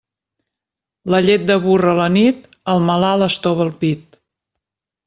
La llet de burra a la nit, al malalt estova el pit.